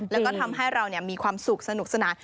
แล้วก็ทำให้เรามีความสุขสนุกสนาน